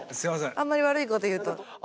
あんまり悪いこと言うと。